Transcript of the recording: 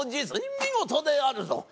実に見事であるぞ。